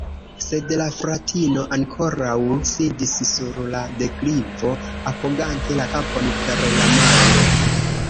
Sed la fratino ankoraŭ sidis sur la deklivo, apogante la kapon per la mano.